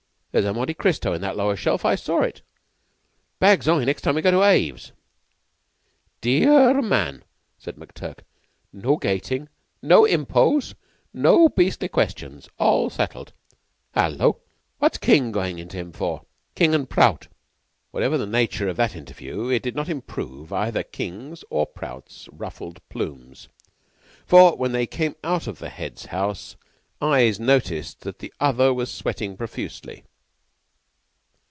There's a 'Monte Cristo' in that lower shelf. I saw it. Bags I, next time we go to Aves!" "Dearr man!" said McTurk. "No gating. No impots. No beastly questions. All settled. Hullo! what's King goin' in to him for King and Prout?" Whatever the nature of that interview, it did not improve either King's or Prout's ruffled plumes, for, when they came out of the Head's house, eyes noted that the one was red and blue with emotion as to his nose, and that the other was sweating profusely.